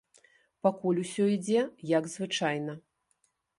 Пакуль усё ідзе як звычайна.